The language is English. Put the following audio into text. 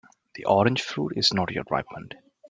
The orange fruit is not yet ripened.